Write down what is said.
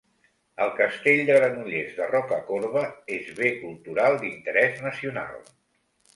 El Castell de Granollers de Rocacorba és Bé Cultural d'Interés Nacional.